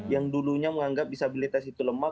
yang dulunya menganggap disabilitas itu lemah